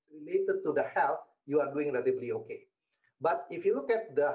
jadi ada risiko bahwa beberapa perusahaan di jakarta